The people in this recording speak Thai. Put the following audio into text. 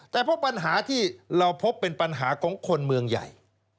แต่เพราะปัญหาที่เราพบเป็นปัญหาของคนเมืองใหญ่